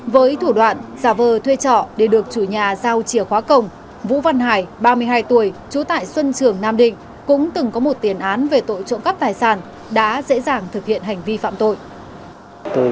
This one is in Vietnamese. với thủ đoạn giả vờ thuê trọ để được chủ nhà giao chìa khóa cổng vũ văn hải ba mươi hai tuổi trú tại xuân trường nam định cũng từng có một tiền án về tội trộm cắp tài sản đã dễ dàng thực hiện hành vi phạm tội